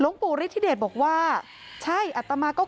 เป็นพระรูปนี้เหมือนเคี้ยวเหมือนกำลังทำปากขมิบท่องกระถาอะไรสักอย่าง